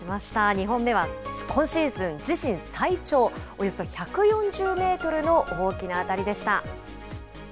２本目は今シーズン自身最長、およそ１４０メートルの大きな当たりでした。